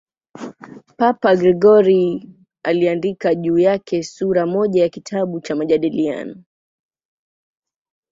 Papa Gregori I aliandika juu yake sura moja ya kitabu cha "Majadiliano".